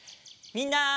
みんな。